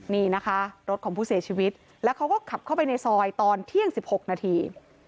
นี่นะคะรถของผู้เสียชีวิตแล้วเขาก็ขับเข้าไปในซอยตอนเที่ยง๑๖นาที